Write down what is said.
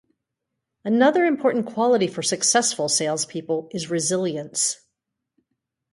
Another important quality for successful salespeople is resilience.